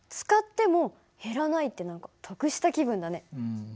使っても減らないって何か得した気分だね。